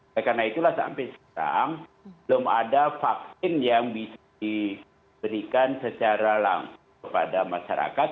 karena itulah sampai sekarang belum ada vaksin yang bisa diberikan secara langsung kepada masyarakat